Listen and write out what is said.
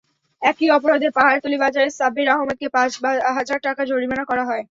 একই অপরাধে পাহাড়তলী বাজারে সাব্বির আহমদকে পাঁচ হাজার টাকা জরিমানা করা হয়।